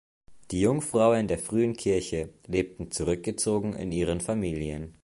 Die Jungfrauen der frühen Kirche lebten zurückgezogen in ihren Familien.